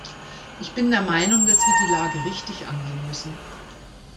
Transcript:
Ich bin der Meinung, dass wir die Lage richtig angehen müssen.